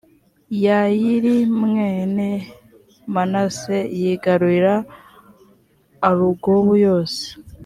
yayiri mwene manase yigarurira arugobu yose